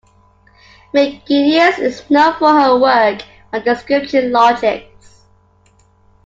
McGuinness is known for her work on description logics.